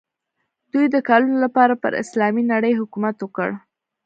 دوی د کلونو لپاره پر اسلامي نړۍ حکومت وکړ.